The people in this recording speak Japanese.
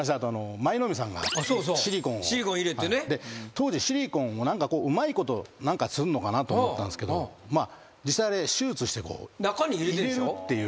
当時シリコンをうまいこと何かするのかなと思ったんですけど実際あれ手術して入れるっていう。